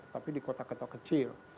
tapi di kota kota kecil